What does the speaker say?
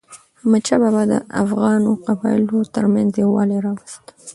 احمدشاه بابا د افغانو قبایلو ترمنځ یووالی راوست.